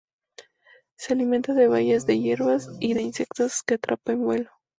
Se alimenta de bayas de hierbas y de insectos que atrapa en vuelo.